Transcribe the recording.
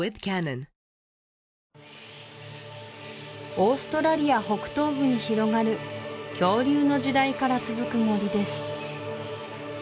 オーストラリア北東部に広がる恐竜の時代から続く森です